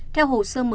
theo hồ sơ mở